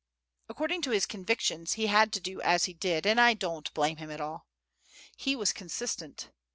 According to his convictions he had to do as he did, and I don't blame him at all. He was consistent.